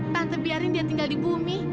tante biarin dia tinggal di bumi